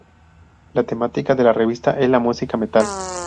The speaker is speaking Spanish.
La temática de la revista es la música metal.